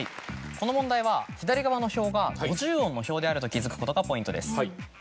この問題は左側の表が５０音の表であると気付くことがポイントです。